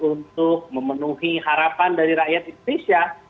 untuk memenuhi harapan dari rakyat indonesia